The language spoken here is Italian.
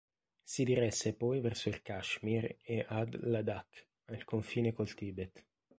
Si diresse poi verso il Kashmir e ad Ladakh, al confine col Tibet.